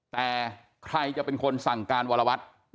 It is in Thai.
แต่ใครจะเป็นคนสั่งการวรวัตร